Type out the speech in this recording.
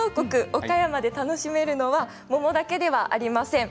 岡山で楽しめるのは桃だけではありません。